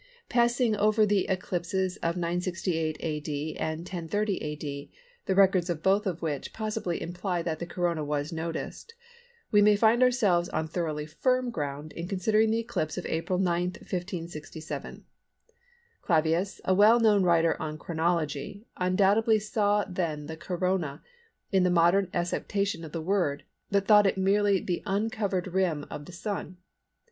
Passing over the eclipses of 968 A.D. and 1030 A.D. the records of both of which possibly imply that the Corona was noticed, we may find ourselves on thoroughly firm ground in considering the eclipse of April 9, 1567. Clavius, a well known writer on chronology, undoubtedly saw then the Corona in the modern acceptation of the word but thought it merely the uncovered rim of the Sun.